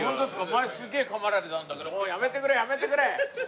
前すげえかまれたんだけどやめてくれやめてくれ！